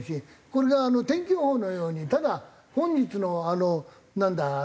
これが天気予報のようにただ本日のなんだ？